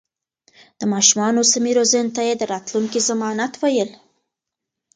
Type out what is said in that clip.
د ماشومانو سمې روزنې ته يې د راتلونکي ضمانت ويل.